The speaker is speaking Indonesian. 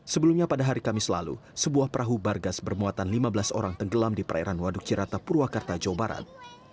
sebelumnya pada hari kamis lalu sebuah perahu bargas bermuatan lima belas orang tenggelam di perairan waduk cirata purwakarta jawa barat